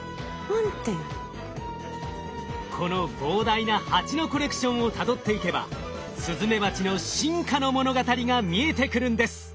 この膨大なハチのコレクションをたどっていけばスズメバチの進化の物語が見えてくるんです。